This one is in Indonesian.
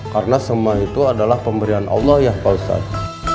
karena semua itu adalah pemberian allah ya pak ustaz